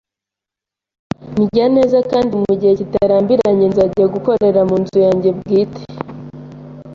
Ndya neza, kandi mu gihe kitarambiranye nzajya gukorera mu nzu yanjye bwite.